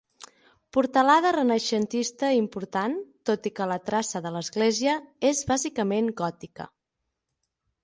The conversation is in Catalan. Portalada renaixentista important tot i que la traça de l'església és bàsicament gòtica.